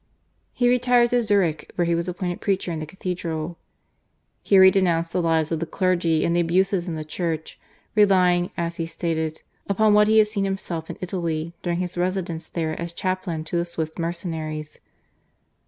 He retired to Zurich where he was appointed preacher in the cathedral. Here he denounced the lives of the clergy and the abuses in the Church, relying, as he stated, upon what he had seen himself in Italy during his residence there as chaplain to the Swiss mercenaries.